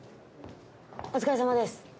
お疲れさまです。